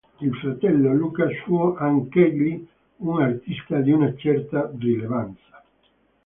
Il fratello Lucas fu anch'egli un artista di una certa rilevanza.